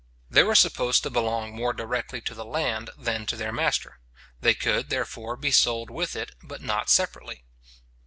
They were supposed to belong more directly to the land than to their master. They could, therefore, be sold with it, but not separately.